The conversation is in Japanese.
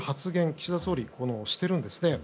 岸田総理がしているんですね。